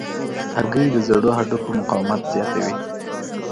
هګۍ د زړو هډوکو مقاومت زیاتوي.